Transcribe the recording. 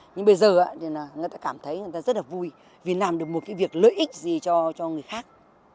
nhưng bây giờ người ta cảm thấy người ta rất là vui vì làm được một cái việc lợi ích gì cho người khác